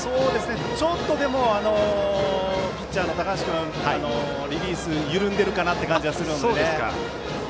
ちょっとピッチャーの高橋君のリリースが緩んでいる感じはするので。